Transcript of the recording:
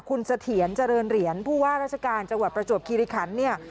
คุณเสถียรเจริญเหรียญผู้ว่าราชการจังหวัดประจวบคิริคันเนี่ย